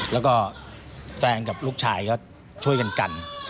แล้วก็แฟนกับลูกชายก็ช่วยกันกัน